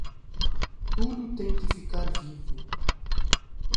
Tudo tem que ficar vivo